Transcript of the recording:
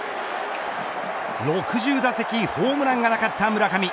６０打席ホームランがなかった村上。